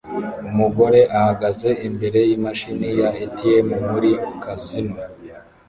Umugore ahagaze imbere yimashini ya atm muri kazino